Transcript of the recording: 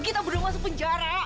kita belum masuk penjara